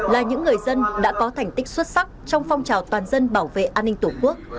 là những người dân đã có thành tích xuất sắc trong phong trào toàn dân bảo vệ an ninh tổ quốc